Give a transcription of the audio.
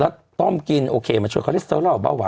แล้วต้องกินโอเคมันช่วยคอลเลสเซอร์ล่าวหรือเปล่าวะ